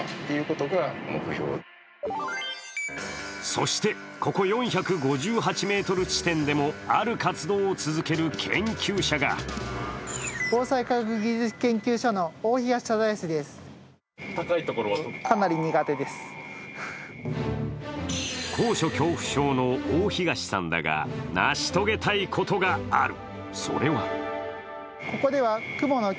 そして、ここ４５８ｍ地点でも、ある活動を続ける研究者が高所恐怖症の大東さんだが、成し遂げたいことがある。